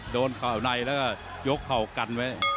เข่าในแล้วก็ยกเข่ากันไว้